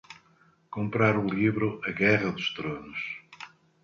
Comprar o livro A Guerra dos Tronos